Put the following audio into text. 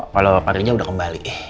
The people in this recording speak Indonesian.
kalau pak rizal udah kembali